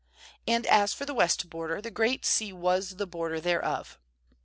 ^And as for the west border, the Great Sea was the border thereof.